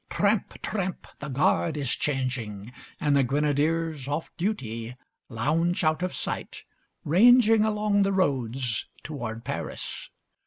Tramp! Tramp! The guard is changing, and the grenadiers off duty lounge out of sight, ranging along the roads toward Paris.